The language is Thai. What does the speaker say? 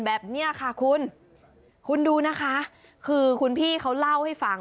แบบนี้ค่ะคุณคุณดูนะคะคือคุณพี่เขาเล่าให้ฟัง